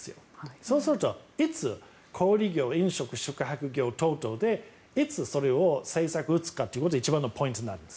そうすると、いつ小売業、飲食業、宿泊業等々でいつ、それを政策打つかということが一番のポイントなんです。